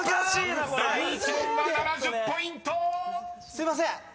すいません！